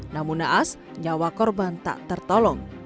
namun naas nyawa korban tak tertolong